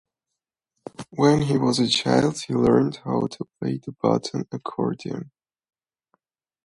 When he was a child, he learned how to play the button accordion.